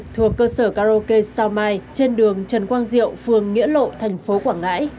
thuộc cơ sở karaoke sao mai trên đường trần quang diệu phương nghĩa lộ tp quảng ngãi